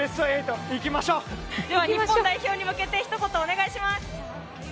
日本代表に向けてひと言お願いします。